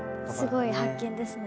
すごい発見ですね。